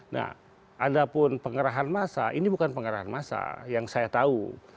nah ada pun penggerahan masa ini bukan penggerahan masa yang saya tahu